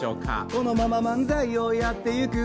このまま漫才をやっていく。